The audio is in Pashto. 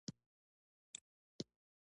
هندوکش د افغانانو د تفریح وسیله ده.